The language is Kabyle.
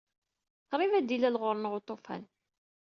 Qrib ad ilal ɣur-neɣ uṭufan.